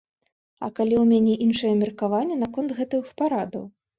А калі ў мяне іншае меркаванне наконт гэтых парадаў?